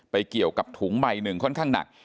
เกี่ยวกับถุงใบหนึ่งค่อนข้างหนัก